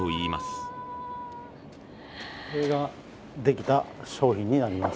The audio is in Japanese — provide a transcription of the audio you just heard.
これができた商品になります。